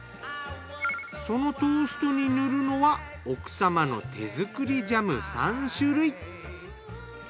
そのトーストに塗るのは奥様の手作りジャム３種類。